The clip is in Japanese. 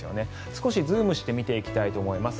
少しズームして見ていきたいと思います。